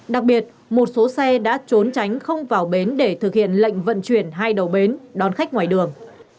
đặc biệt một số xe đã trốn tránh không vào bến để thực hiện lệnh vận chuyển hai đầu bến đón khách ngoài đường